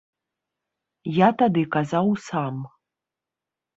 Я тады казаў сам.